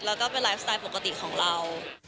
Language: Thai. แล้วก็เป็นไลฟ์สไตล์ปกติของเรา